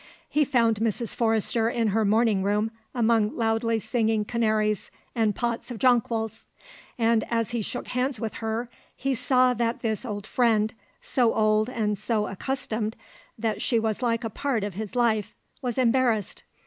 He found Mrs. Forrester in her morning room among loudly singing canaries and pots of jonquils; and as he shook hands with her he saw that this old friend, so old and so accustomed that she was like a part of his life, was embarrassed.